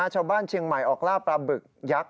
ชาวบ้านเชียงใหม่ออกล่าปลาบึกยักษ